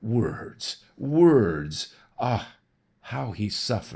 Words, words! Ah, how he suffered.